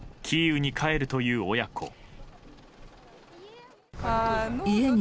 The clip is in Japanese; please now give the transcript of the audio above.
キーウに帰るという親子。